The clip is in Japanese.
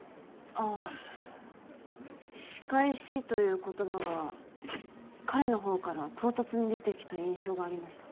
あ仕返しという言葉が彼のほうから唐突に出てきた印象がありました。